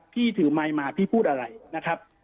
พี่ถือไมค์มาพี่พูดอะไรนะครับ